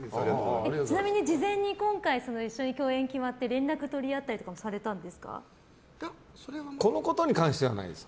ちなみに事前に今回共演が決まって連絡とりあったりとかこのことに関してはないです。